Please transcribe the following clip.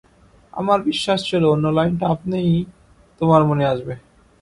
আমার বিশ্বাস ছিল, অন্য লাইনটা আপনিই তোমার মনে আসবে।